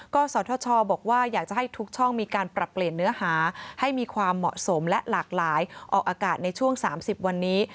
ก็สทชบอกว่าอยากจะให้ทุกช่องมีการปรับเปลี่ยนเนื้อหาให้มีความเหมาะสมและหลากหลายออกอากาศในช่วง๓๐วันนี้